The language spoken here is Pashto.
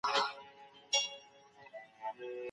اې لورکۍ د خاوند په وړاندې صبر وکړه.